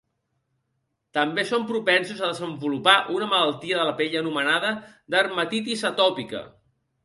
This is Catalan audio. També són propensos a desenvolupar una malaltia de la pell anomenada Dermatitis atòpica.